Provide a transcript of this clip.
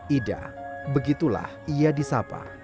ida begitulah ia disapa